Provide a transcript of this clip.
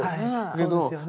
そうですよね。